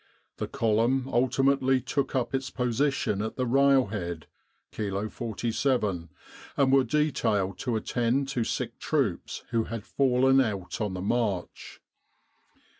The column ultimately took up its position at the railhead', Kilo 47, and were detailed to attend to sick troops who had fallen out on the march.